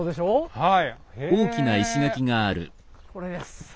はい。